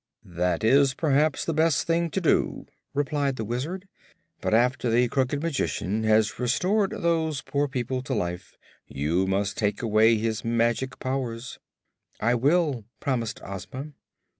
"That is perhaps the best thing to do," replied the Wizard. "But after the Crooked Magician has restored those poor people to life you must take away his magic powers." "I will," promised Ozma.